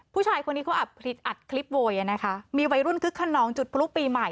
ผู้ชายคนนี้เขาอัดคลิปโวยอ่ะนะคะมีวัยรุ่นคึกขนองจุดพลุปีใหม่